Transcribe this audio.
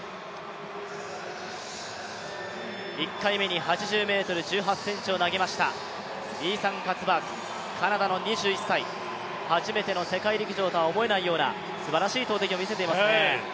１回目に８０ｍ１８ｃｍを投げましたイーサン・カツバーグ、カナダの２１歳、初めての世界陸上とは思えないようなすばらしい投てきを見せていますね。